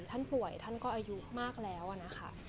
ท่านป่วยท่านก็อายุมากแล้วนะคะ